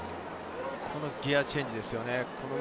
このギアチェンジですよね。